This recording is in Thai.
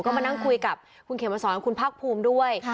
ก็มานั่งคุยกับคุณเขมสอนคุณภาคภูมิด้วย